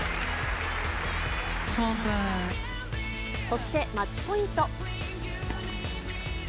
そしてマッチポイント。